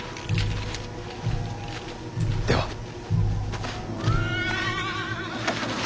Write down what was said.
では。